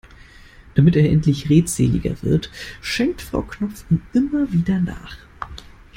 Damit er endlich redseliger wird, schenkt Frau Knopf ihm immer wieder nach.